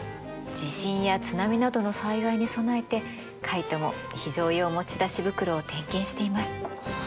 地震や津波などの災害に備えてカイトも非常用持ち出し袋を点検しています。